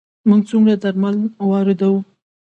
موږ څومره درمل واردوو؟